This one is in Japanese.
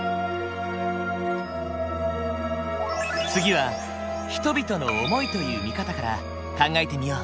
次は人々の想いという見方から考えてみよう。